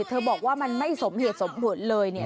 เธอบอกว่ามันไม่สมเหตุสมบูรณ์เลยเนี่ย